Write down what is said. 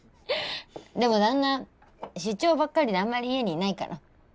でも旦那出張ばっかりであんまり家にいないから。